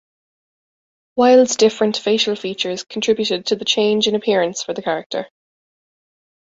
Wilde's different facial features contributed to the change in appearance for the character.